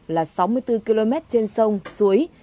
là sáu mươi bốn km trên sông suối